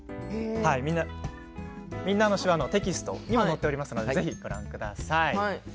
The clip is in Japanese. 「みんなの手話」のテキストにも載っておりますのでぜひご覧ください。